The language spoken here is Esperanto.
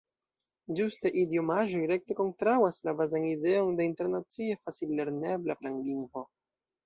Ĝuste idiomaĵoj rekte kontraŭas la bazan ideon de internacie facil-lernebla planlingvo.